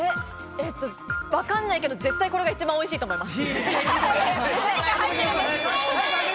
わかんないけど、絶対これが一番おいしいと思います。